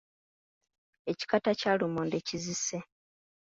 Ekikata kya lumonde kizise.